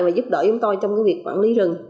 và giúp đỡ chúng tôi trong việc quản lý rừng